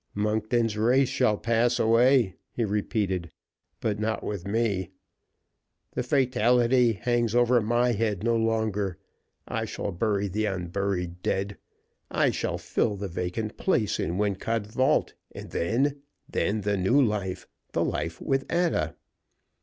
"Monkton's race shall pass away," he repeated, "but not with me. The fatality hangs over my head no longer. I shall bury the unburied dead; I shall fill the vacant place in Wincot vault; and then then the new life, the life with Ada!"